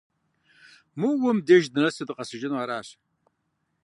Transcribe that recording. Моуэ мобдеж дынэсу дыкъэсыжыну аращ.